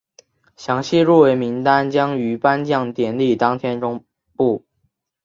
详细入围名单将于颁奖典礼当天公布。